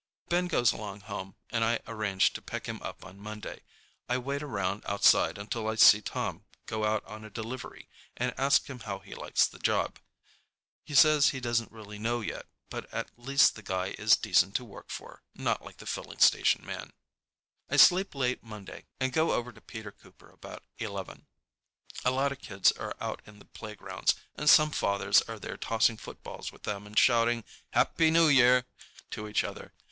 Ben goes along home and I arrange to pick him up on Monday. I wait around outside until I see Tom go out on a delivery and ask him how he likes the job. He says he doesn't really know yet, but at least the guy is decent to work for, not like the filling station man. I sleep late Monday and go over to Peter Cooper about eleven. A lot of kids are out in the playgrounds, and some fathers are there tossing footballs with them and shouting "Happy New Year" to each other.